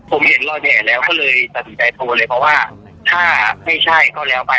ผมเห็นรอยแห่แล้วก็เลยตัดสินใจโทรเลยเพราะว่าถ้าไม่ใช่ก็แล้วไป